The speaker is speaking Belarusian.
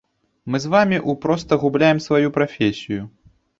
Мы з вамі ў проста губляем сваю прафесію.